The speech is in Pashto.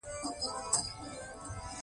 مصنوعي ځیرکتیا د درملنې پلانونه پیاوړي کوي.